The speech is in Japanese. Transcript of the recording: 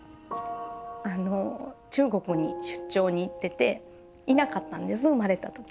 あの中国に出張に行ってていなかったんです生まれた時。